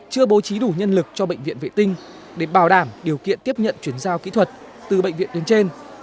chưa bố trí đủ nhân lực cho bệnh viện vệ tinh để bảo đảm điều kiện tiếp nhận chuyển giao kỹ thuật từ bệnh viện đến trên